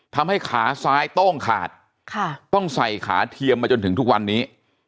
ทำให้ขาซ้ายโต้งขาดต้องใส่ขาเทียมมาจนถึงทุกวันนี้